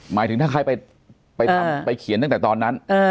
หมายถึงถ้าใครไปทำไปเขียนตั้งแต่ตอนนั้น